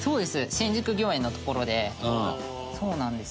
新宿御苑の所でそうなんですよ」